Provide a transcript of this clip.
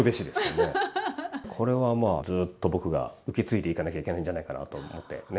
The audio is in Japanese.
これはまあずっと僕が受け継いでいかなきゃいけないんじゃないかなと思ってね。